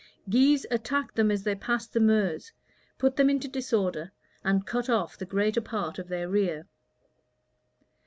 Guise attacked them as they passed the Meuse, put them into disorder, and cut off the greater part of their rear.